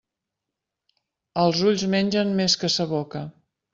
Els ulls mengen més que sa boca.